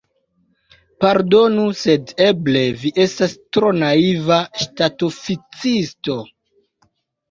Pardonu, sed eble vi estas tro naiva ŝtatoficisto!